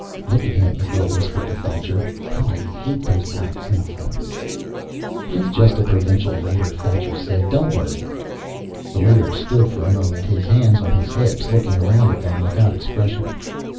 "Look at him," the girl whispered to Thacher. "How I hate those black uniforms!" "He's just a Provincial Leiter," Thacher said. "Don't worry." The Leiter stood for a moment, his hands on his hips, looking around at them without expression.